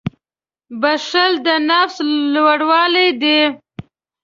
• بښل د نفس لوړوالی دی.